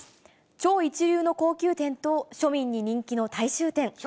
超一流の高級店と、庶民に人気の大衆店。